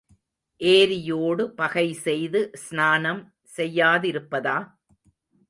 ஏரியோடு பகை செய்து ஸ்நானம் செய்யாதிருப்பதா?